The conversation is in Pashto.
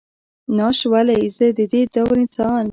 ناش ولئ، زه ددې دور انسان.